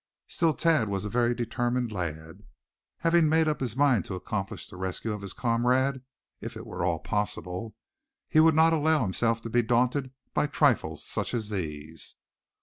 Still, Thad was a very determined lad. Having made up his mind to accomplish the rescue of his comrade, if it were at all possible, he would not allow himself to be daunted by trifles such as these.